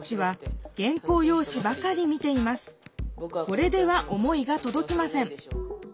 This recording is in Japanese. これでは思いが届きません。